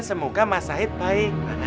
semoga mas said baik